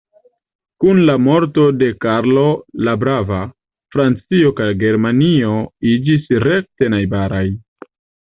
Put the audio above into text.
Kun la morto de Karlo la Brava, Francio kaj Germanio iĝis rekte najbaraj.